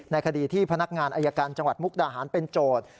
คดีที่พนักงานอายการจังหวัดมุกดาหารเป็นโจทย์